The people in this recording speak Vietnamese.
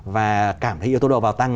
và cảm thấy yếu tố độ vào tăng